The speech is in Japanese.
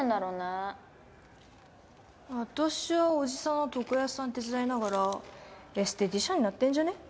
あたしはおじさんの床屋さん手伝いながらエステティシャンになってんじゃね？